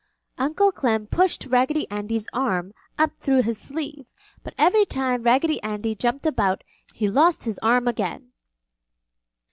Uncle Clem pushed Raggedy Andy's arm up through his sleeve, but every time Raggedy Andy jumped about, he lost his arm again.